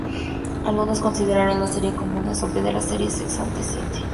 Algunos consideran la serie como una copia de la serie "Sex and the city".